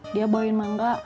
dia bawain manga